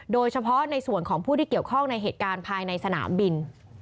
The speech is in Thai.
โดยเฉพาะในส่วนของผู้ที่เกี่ยวข้องในเหตุการณ์ภายในสนามบิน